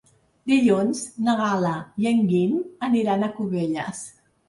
Dilluns na Gal·la i en Guim aniran a Cubelles.